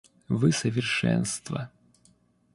Вы совершенство.